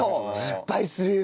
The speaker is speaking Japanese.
失敗する夢。